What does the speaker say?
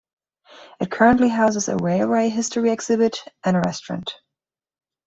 It currently houses a railway history exhibit and a restaurant.